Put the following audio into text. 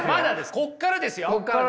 ここからですよ。